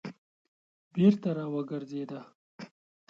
بېرته راوګرځېده.